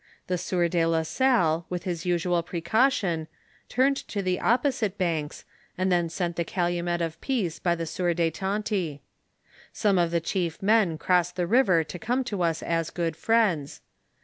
The sieur de la Salle, with his usual precaution, turned to the op posite banks, and then sent the calumet of peace by the sieur de Tonty. Some of the chief men crossed the river to come to us as good friends.